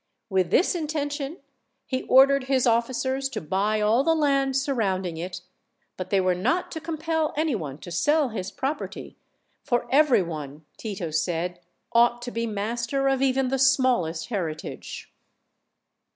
With this intention he ordered his officers to buy all the land surrounding it, but they were not to compel anyone to sell his property, for every one, Tito said, ought to be master of even the smallest heritage.